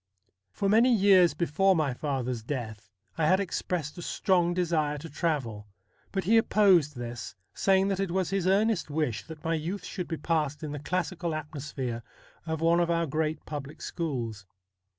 For many years before my father's death I had expressed a strong desire to travel ; but he opposed this, saying that it was his earnest wish that my youth should be passed in the classical atmosphere of one of our great public schools.